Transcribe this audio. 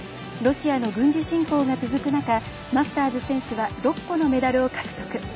ロシアの軍事侵攻が続く中マスターズ選手は６個のメダルを獲得。